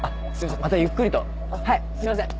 またゆっくりとはいすいません。